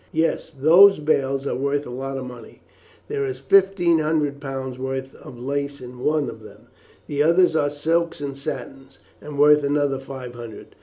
"Yes, those bales are worth a lot of money. There is fifteen hundred pounds worth of lace in one of them. The others are silks and satins, and worth another five hundred.